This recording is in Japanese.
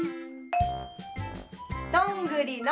どんぐりの。